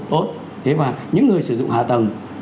tốt thế mà những người sử dụng hạ tầng